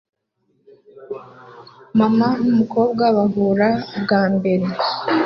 Mama n'umukobwa bahura bwa mbere